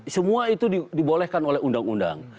semua itu dibolehkan oleh undang undang